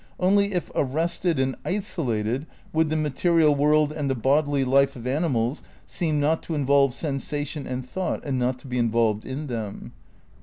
Only if arrested and isolated would the material world and the bodily life of animals seem not to involve sensation and thought and not to be involved in them.